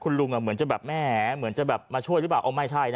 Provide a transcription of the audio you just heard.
ลุงเหมือนจะแบบแหมเหมือนจะแบบมาช่วยหรือเปล่าเอาไม่ใช่นะ